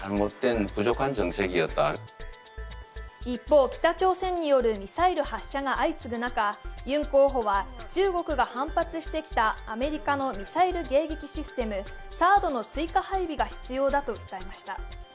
一方、北朝鮮によるミサイル発射が相次ぐ中、ユン候補は、中国が反発してきたアメリカのミサイル迎撃システム＝ＴＨＡＡＤの追加配備が必要だと訴えました。